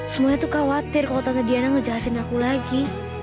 semuanya tuh khawatir kalau tante diana ngejelasin aku lagi